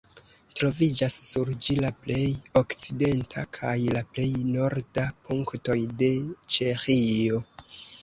Troviĝas sur ĝi la plej okcidenta kaj la plej norda punktoj de Ĉeĥio.